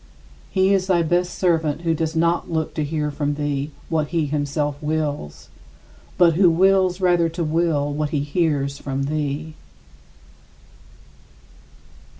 He is thy best servant who does not look to hear from thee what he himself wills, but who wills rather to will what he hears from thee.